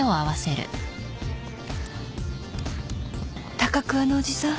高桑のおじさん。